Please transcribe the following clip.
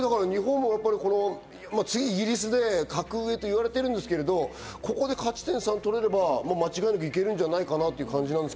次、イギリスで格上と言われているんですけど、ここでで勝ち点３を取れれば間違いなくいけるんじゃないかなという感じがします。